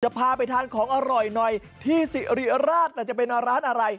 พาไปทานของอร่อยหน่อยที่สิริราชจะเป็นร้านอะไร